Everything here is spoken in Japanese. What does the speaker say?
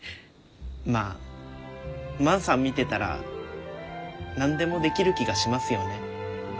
まあ万さん見てたら何でもできる気がしますよね。